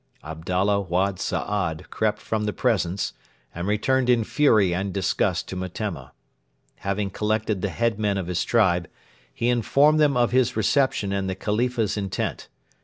Abdalla Wad Saad crept from the presence, and returned in fury and disgust to Metemma. Having collected the head men of his tribe, he informed them of his reception and the Khalifa's intent.